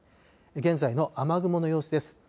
現在の雨雲の様子です。